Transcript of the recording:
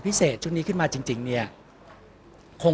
ก็ต้องทำอย่างที่บอกว่าช่องคุณวิชากำลังทำอยู่นั่นนะครับ